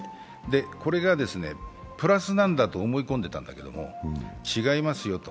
これがプラスなんだと思い込んでたんだけど違いますよと。